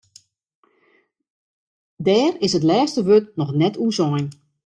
Dêr is it lêste wurd noch net oer sein.